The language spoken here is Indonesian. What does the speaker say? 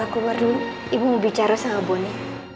awar dulu ibu mau bicara sama bonny